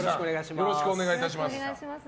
よろしくお願いします。